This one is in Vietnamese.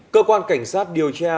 cơ quan cảnh sát điều tra